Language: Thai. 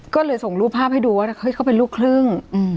ก็เลยส่งรูปภาพให้ดูว่าเฮ้ยเขาเป็นลูกครึ่ง